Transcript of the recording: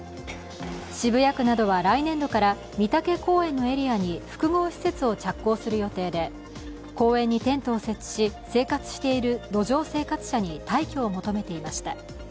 渋谷区などは来年度から美竹公園のエリアに複合施設を着工する予定で公園にテントを設置し、生活している路上生活者に退去を求めていました。